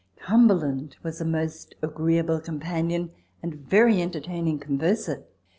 Cumberland was a most agreeable companion, and a very entertaining converser.